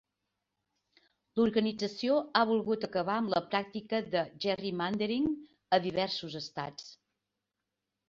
L'organització ha volgut acabar amb la pràctica de "gerrymandering" a diversos estats.